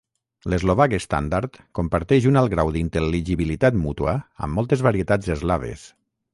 L"eslovac estàndard comparteix un alt grau d"intel·ligibilitat mútua amb moltes varietats eslaves.